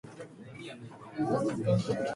いつもどうりの君でいてね